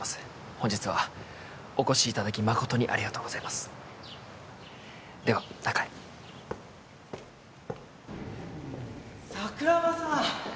本日はお越しいただきまことにありがとうございますでは中へ桜庭さん！